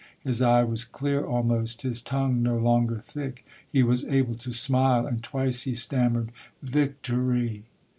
His eye was clear almost, his tongue no longer thick. He was able to smile, and twice he stammered ' Vic to ry